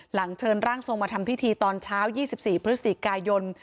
หลังเชิญร่างทรงมาทำพิธีตอนเช้า๒๔พฤศจิกายน